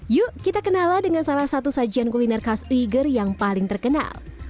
yuk kita kenala dengan salah satu sajian kuliner khas wiger yang paling terkenal